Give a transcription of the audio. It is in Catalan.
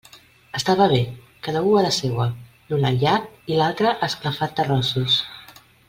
Estava bé; cada u a la seua: l'un al llac i l'altre a esclafar terrossos.